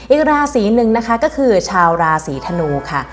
อีกราศีหนึ่งนะคะก็คือชาวราศีธนูค่ะ